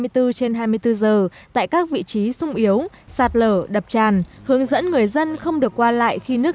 trên hai mươi bốn giờ tại các vị trí sung yếu sạt lở đập tràn hướng dẫn người dân không được qua lại khi nước